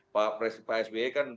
pak sby kan